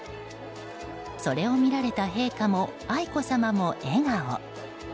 それを見られた陛下も愛子さまも笑顔。